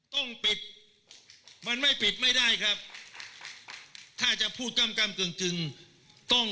ต้องปิดมันไม่ปิดไม่ได้ครับถ้าจะพูดกำกึ่งต้อง